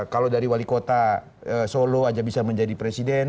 kalau dari wali kota solo aja bisa menjadi presiden